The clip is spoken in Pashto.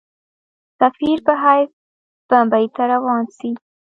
سفیر په حیث بمبیی ته روان سي.